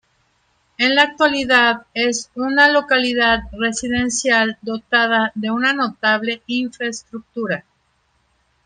En la actualidad es una localidad residencial dotada de una notable infraestructura.